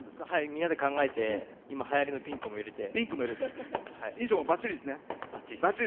みんなで考えてはやりのピンクも入れて。